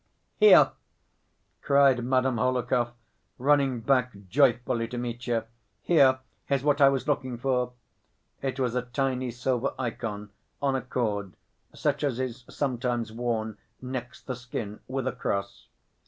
"Here!" cried Madame Hohlakov, running back joyfully to Mitya, "here is what I was looking for!" It was a tiny silver ikon on a cord, such as is sometimes worn next the skin with a cross.